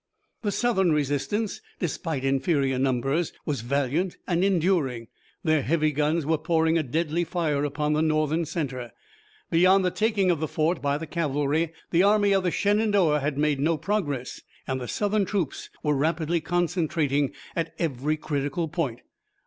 The Southern resistance, despite inferior numbers, was valiant and enduring. Their heavy guns were pouring a deadly fire upon the Northern center. Beyond the taking of the fort by the cavalry the Army of the Shenandoah had made no progress, and the Southern troops were rapidly concentrating at every critical point.